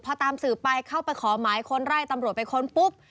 พอตามสืบไปเข้าไปขอหมายค้นไร่ตำรวจไปค้นปุ๊บ